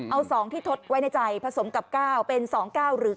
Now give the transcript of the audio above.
เอา๒ที่ทดไว้ในใจผสมกับ๙เป็น๒๙หรือ๙